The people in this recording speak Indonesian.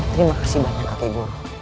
terima kasih banyak kakek guru